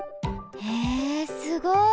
へえすごい！